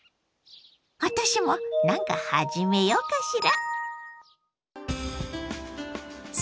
私も何か始めようかしら？